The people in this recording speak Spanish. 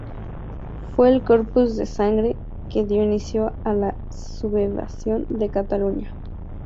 Fue el Corpus de Sangre que dio inicio a la sublevación de Cataluña.